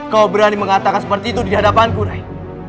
kau berani mengatakan seperti itu di hadapanku rain